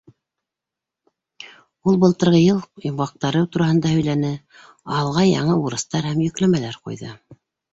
Ул былтырғы йыл йомғаҡтары тураһында һөйләне, алға яңы бурыстар һәм йөкләмәләр ҡуйҙы.